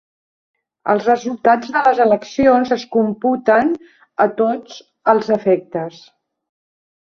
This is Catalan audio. Els resultats de les eleccions es computen a tots els efectes.